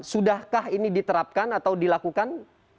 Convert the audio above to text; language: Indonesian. sudahkah ini diterapkan atau dilakukan